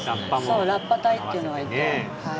そうラッパ隊っていうのがいて。